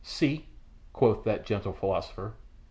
See!" quoth that gentle philosopher.